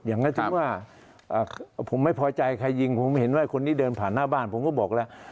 อย่างนั้นถึงว่าผมไม่พอใจใครยิงผมเห็นว่าคนนี้เดินผ่านหน้าบ้านผมก็บอกแล้ว